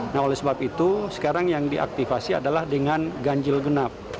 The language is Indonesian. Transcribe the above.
nah oleh sebab itu sekarang yang diaktifasi adalah dengan ganjil genap